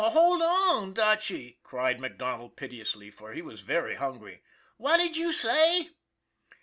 "Oh, hold on, Dutchy!" cried MacDonald pit eously, for he was very hungry. " What did you say?